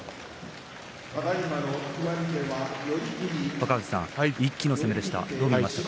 若藤さん、一気の攻めでした。